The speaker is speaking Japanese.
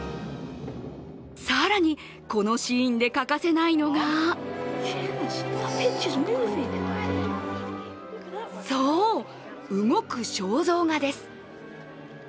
更に、このシーンで欠かせないのがそう、動く肖像画です。